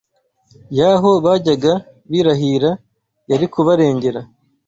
yaho bajyaga birahira yari kubarengera